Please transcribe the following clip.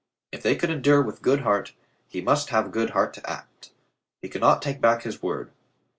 If they could endure with good heart, he must have good heart to act. He could not take back his word.